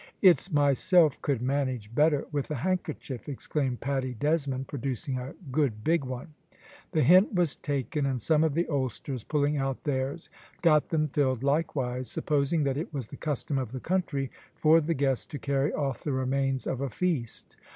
"It's myself could manage better with a handkerchief!" exclaimed Paddy Desmond, producing a good big one. The hint was taken, and some of the oldsters pulling out theirs got them filled likewise, supposing that it was the custom of the country for the guests to carry off the remains of a feast.